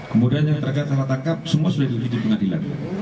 kemudian yang terdapat salah tangkap semua sudah diujikan pengadilan